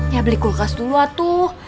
ya beli kulkas dulu atau